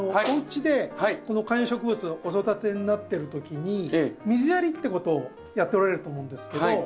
おうちでこの観葉植物お育てになってる時に水やりってことをやっておられると思うんですけど。